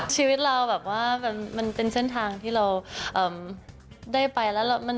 ชีวิตเราแบบว่ามันเป็นเส้นทางที่เราได้ไปแล้ว